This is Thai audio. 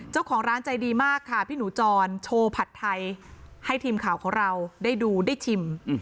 เจ้าของร้านใจดีมากค่ะพี่หนูจรโชว์ผัดไทยให้ทีมข่าวของเราได้ดูได้ชิม